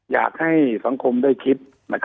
อยากให้สังคมได้คิด